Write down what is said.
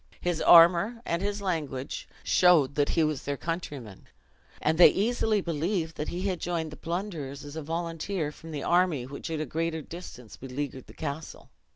His armor, and his language, showed he was their countryman; and they easily believed that he had joined the plunderers as a volunteer from the army, which at a greater distance beleaguered the castle.